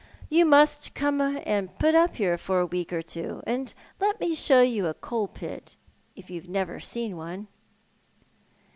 You must come and put up here for a week or two, and let me show you a coal pit, if you have never seen one."